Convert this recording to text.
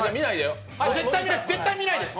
絶対見ないです。